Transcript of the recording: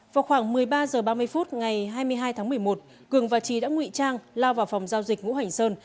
vào khoảng một mươi ba h ba mươi phút ngày hai mươi hai tháng một mươi một cường và trí đã ngụy trang lao vào phòng giao dịch ngũ hành sơn